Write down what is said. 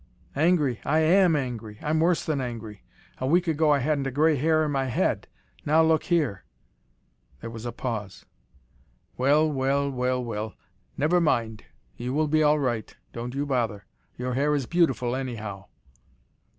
"Angry! I AM angry. I'm worse than angry. A week ago I hadn't a grey hair in my head. Now look here " There was a pause. "Well well, well well, never mind. You will be all right, don't you bother. Your hair is beautiful anyhow."